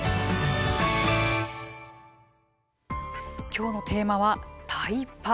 今日のテーマは「タイパ」。